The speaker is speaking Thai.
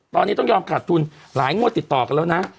ตอนนี้ต้องยอมขาดทุนหลายงวดติดต่อกันแล้วนะ